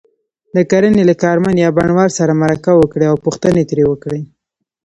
د کرنې له کارمند یا بڼوال سره مرکه وکړئ او پوښتنې ترې وکړئ.